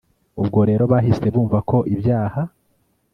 ubwo rero bahise bumva ko ibyaba